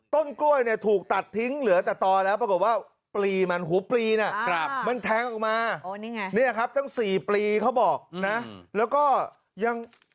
ต้นกร้วยเนี่ยถูกตัดทิ้งเหลือแต่ต่อแล้วปรากฏว่า